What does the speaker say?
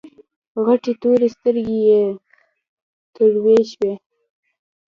غټې تورې سترګې يې تروې شوې.